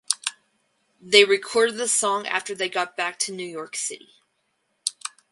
They recorded the song after they got back to New York City.